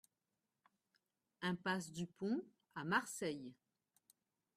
Impasse Dupont à Marseille